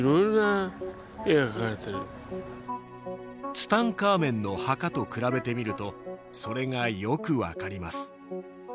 ツタンカーメンの墓と比べてみるとそれがよくわかります